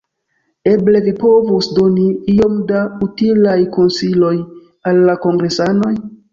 Eble vi povus doni iom da utilaj konsiloj al la kongresanoj?